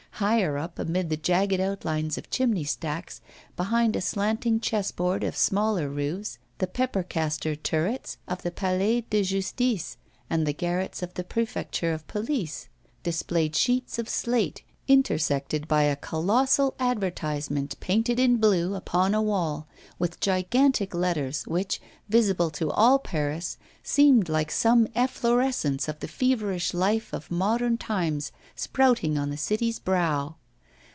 Higher up, amid the jagged outlines of chimney stacks, behind a slanting chess board of smaller roofs, the pepper caster turrets of the Palais de Justice and the garrets of the Prefecture of Police displayed sheets of slate, intersected by a colossal advertisement painted in blue upon a wall, with gigantic letters which, visible to all Paris, seemed like some efflorescence of the feverish life of modern times sprouting on the city's brow.